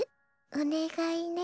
おねがいね。